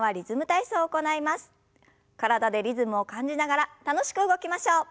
体でリズムを感じながら楽しく動きましょう。